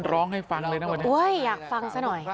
รองครับคะอุ้ยอยากฟังซะหน่อย